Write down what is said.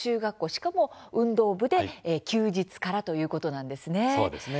しかも、運動部で休日からということなんですね。